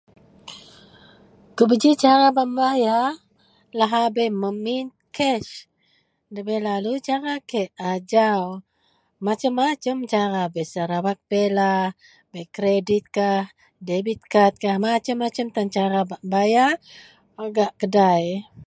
Kubeji cara bak membayar? Lahabei memin kes, ndabei lalu cara kek. Ajau. masem-masem cara biasa [unintelligible] kreditkah, debitkah, masem-masem tan cara bak bayar gak kedai